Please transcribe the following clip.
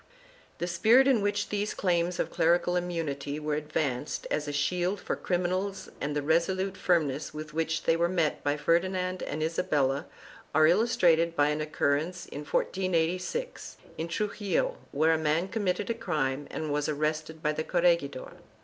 3 The spirit in which these claims of clerical immunity were advanced as a shield for criminals arid the reso lute firmness with which they were met by Ferdinand and Isa bella are illustrated by an occurrence in 1486, in Truxillo, where a man committed a crime and was arrested by the corregidor.